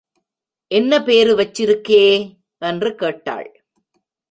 என்ன பேரு வெச்சிருக்கே? என்று கேட்டாள்.